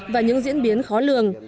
và những diễn biến khó lường